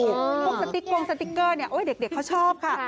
พวกสติ๊กโก้งสติ๊กเกอร์เนี่ยเด็กเขาชอบค่ะ